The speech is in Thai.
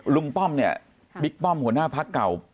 ป้อมเนี่ยบิ๊กป้อมหัวหน้าพักเก่า